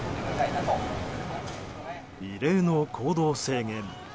異例の行動制限。